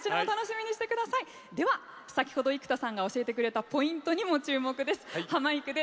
では、先ほど生田さんが教えてくれたポイントにも注目です。